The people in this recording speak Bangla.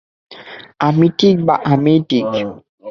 আমি ঠিক, বা আমিই ঠিক?